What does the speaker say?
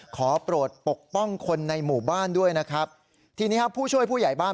โปรดปกป้องคนในหมู่บ้านด้วยนะครับทีนี้ครับผู้ช่วยผู้ใหญ่บ้าน